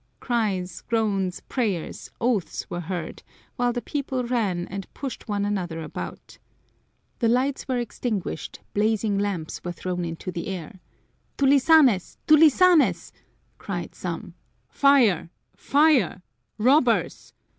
Cries, groans, prayers, oaths were heard, while the people ran and pushed one another about. The lights were extinguished, blazing lamps were thrown into the air. "Tulisanes! Tulisanes!" cried some. "Fire, fire! Robbers!"